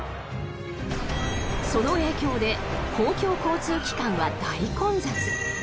その影響で公共交通機関は大混雑。